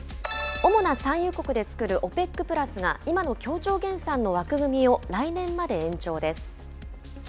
主な産油国で作るＯＰＥＣプラスが、今の協調減産の枠組みを来年まで延長です。